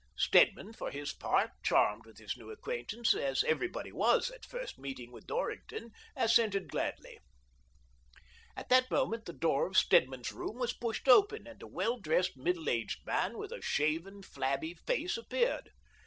Stedman, for his part, charmed with his new acquaintance — as everybody was at a first meeting vdth Dorrington — assented gladly. At that moment the door of Stedman's room was pushed open and a well dressed, middle aged man, with a shaven, flabby face, appeared.